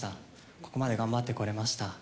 ここまで頑張ってこれました。